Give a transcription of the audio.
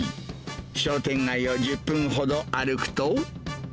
商店街を１０分ほど歩くと。